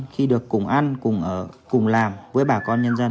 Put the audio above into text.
khi được cùng ăn cùng ở cùng làm với bà con nhân dân